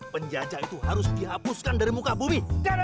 penjajah itu harus dihapuskan dari muka bumi